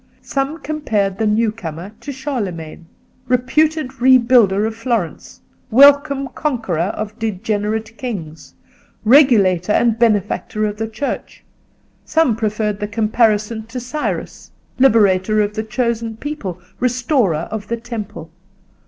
Some compared the new comer to Charlemagne, reputed rebuilder of Florence, welcome conqueror of degenerate kings, regulator and benefactor of the Church; some preferred the comparison to Cyrus, liberator of the chosen people, restorer of the Temple.